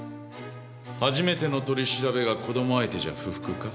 初めての取り調べが子ども相手じゃ不服か？